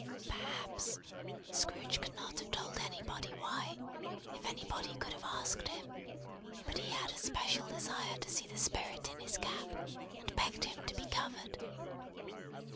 Perhaps, Scrooge could not have told anybody why, if anybody could have asked him; but he had a special desire to see the Spirit in his cap; and begged him to be covered.